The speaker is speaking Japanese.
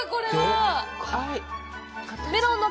メロンの。